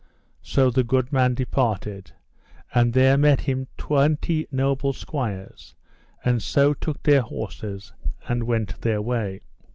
So the good man departed; and there met him twenty noble squires, and so took their horses and went their way.